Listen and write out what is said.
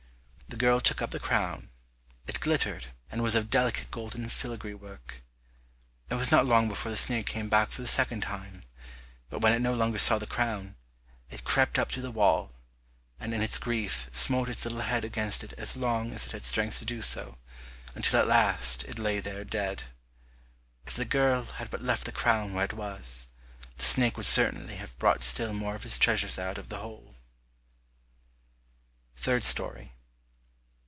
The girl took up the crown, it glittered and was of delicate golden filagree work. It was not long before the snake came back for the second time, but when it no longer saw the crown, it crept up to the wall, and in its grief smote its little head against it as long as it had strength to do so, until at last it lay there dead. If the girl had but left the crown where it was, the snake would certainly have brought still more of its treasures out of the hole. Third Story.